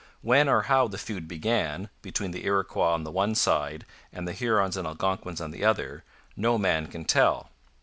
When or how the feud began, between the Iroquois on the one side and the Hurons and Algonquins on the other, no man can tell.